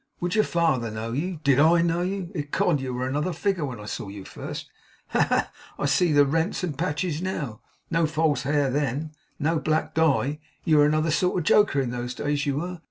Would your father know you? Did I know you? Ecod! You were another figure when I saw you first. Ha, ha, ha! I see the rents and patches now! No false hair then, no black dye! You were another sort of joker in those days, you were!